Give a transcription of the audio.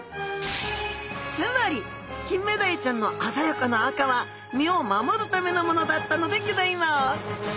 つまりキンメダイちゃんの鮮やかな赤は身を守るためのものだったのでギョざいます。